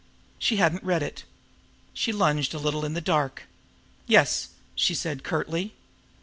She had not read it. She lunged a little in the dark. "Yes," she said curtly.